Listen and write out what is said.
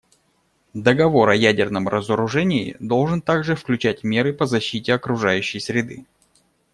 Договор о ядерном разоружении должен также включать меры по защите окружающей среды.